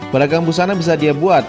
barang barang busana bisa dia buat